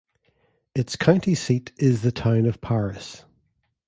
Its county seat is the town of Paris.